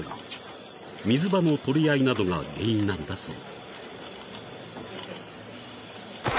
［水場の取り合いなどが原因なんだそう］